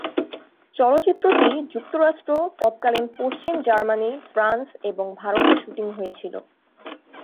চলচ্চিত্রটি যুক্তরাষ্ট্র, তৎকালীন পশ্চিম জার্মানি, ফ্রান্স এবং ভারতে শুটিং হয়েছিল।